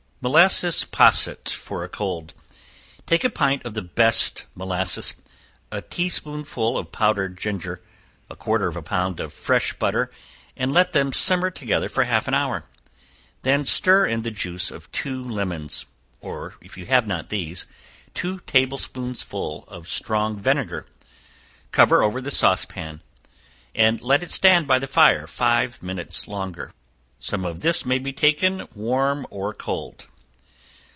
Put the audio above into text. Molasses Posset for a Cold. Take a pint of the best molasses, a tea spoonful of powdered ginger, a quarter of a pound of fresh butter, and let them simmer together for half an hour: then stir in the juice of two lemons, or if you have not these, two table spoonsful of strong vinegar; cover over the sauce pan, and let it stand by the fire five minutes longer. Some of this may be taken warm or cold.